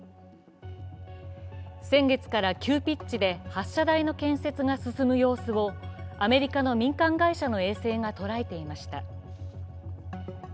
先月から急ピッチで発射台の建設が進む様子をアメリカの民間会社の衛星が捉えていました。